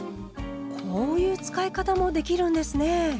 こういう使い方もできるんですね。